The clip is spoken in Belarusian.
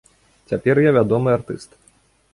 Цяпер я вядомы артыст.